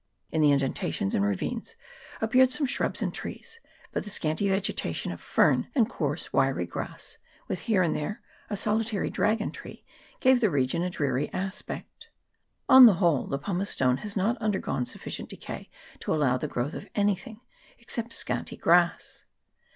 In the indentations and ravines appeared some shrubs and trees ; but the scanty vegetation of fern and coarse wiry grass, with here and there a solitary dragon tree, gave the region a dreary aspect. On the whole, the pumicestone has not undergone sufficient decay to allow the growth of anything except scanty grass.